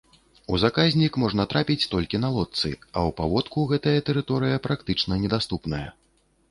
У заказнік можна трапіць толькі на лодцы, а ў паводку гэтая тэрыторыя практычна недаступная.